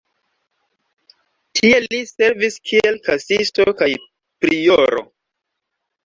Tie li servis kiel kasisto kaj prioro.